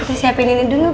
kita siapin ini dulu